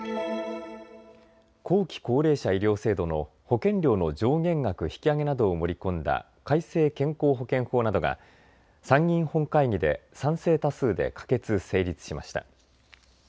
後期高齢者医療制度の保険料の上限額引き上げなどを盛り込んだ改正健康保険法などが参議院本会議で賛成多数で可決・成立しました。